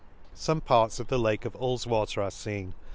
— Some parts of the lake of Hull's water are feen!)